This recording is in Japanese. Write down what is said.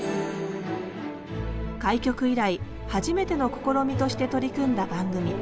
「開局以来初めての試みとして取り組んだ番組。